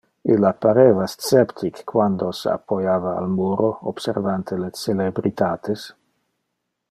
Illa pareva sceptic quando se appoiava al muro, observante le celebritates.